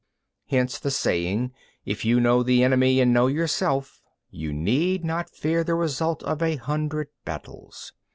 Hence the saying: If you know the enemy and know yourself, you need not fear the result of a hundred battles.